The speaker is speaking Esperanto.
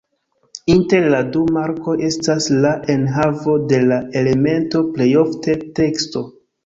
Inter la du markoj estas la enhavo de la elemento, plej ofte teksto.